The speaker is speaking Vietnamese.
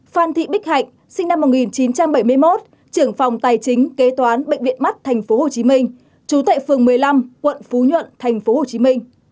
phan thị bích hạnh sinh năm một nghìn chín trăm bảy mươi một trưởng phòng tài chính kế toán bệnh viện mắt tp hcm chú tại phường một mươi năm quận phú nhuận tp hcm